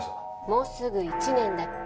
もうすぐ１年だっけ？